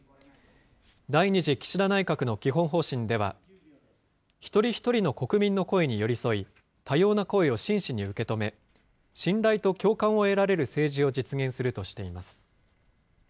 第２次岸田内閣の基本方針では、一人一人の国民の声に寄り添い、多様な声を真摯に受け止め、信頼と共感を得られる政治を実現するとしています。